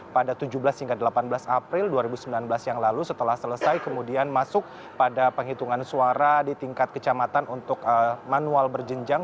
pada tujuh belas hingga delapan belas april dua ribu sembilan belas yang lalu setelah selesai kemudian masuk pada penghitungan suara di tingkat kecamatan untuk manual berjenjang